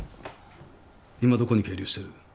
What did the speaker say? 今どこに係留してる？